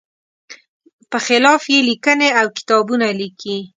په خلاف یې لیکنې او کتابونه لیکي.